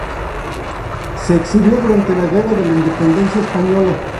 Se exilió durante la Guerra de la Independencia Española.